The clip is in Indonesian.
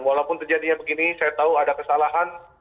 walaupun terjadinya begini saya tahu ada kesalahan